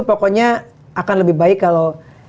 pokoknya akan lebih baik kalau